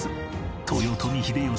豊臣秀吉？